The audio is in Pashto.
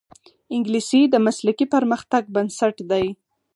انګلیسي د مسلکي پرمختګ بنسټ دی